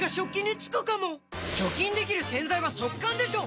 除菌できる洗剤は速乾でしょ！